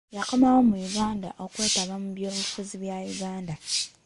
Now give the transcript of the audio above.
Yakomawo mu Uganda okwetaba mu byobufuzi bya Uganda